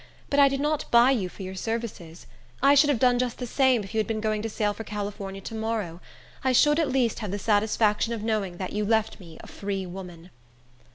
But I did not buy you for your services. I should have done just the same, if you had been going to sail for California to morrow. I should, at least, have the satisfaction of knowing that you left me a free woman."